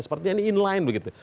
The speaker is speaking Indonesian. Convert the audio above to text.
sepertinya ini inline begitu